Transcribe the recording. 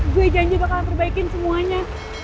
gue janji bakal perbaikin semuanya